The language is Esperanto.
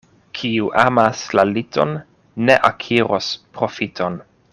Kiu amas la liton, ne akiros profiton.